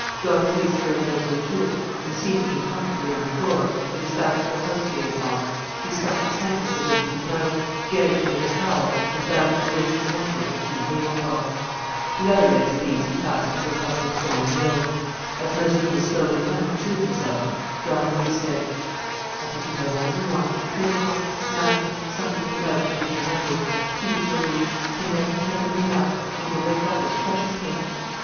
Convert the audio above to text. Don Luis carried Mazeroux to it, and, seating him comfortably on the floor, with his back to a housemaid's box, he stuffed his handkerchief into his mouth, gagged him with a towel, and bound his wrists and ankles with two tablecloths. The other ends of these he fastened to a couple of strong nails. As Mazeroux was slowly coming to himself, Don Luis said: "I think you have all you want. Tablecloths napkins something in your mouth in case you're hungry. Eat at your ease. And then take a little nap, and you'll wake up as fresh as paint."